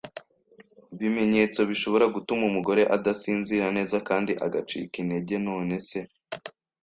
bimenyetso bishobora gutuma umugore adasinzira neza kandi agacika intege None se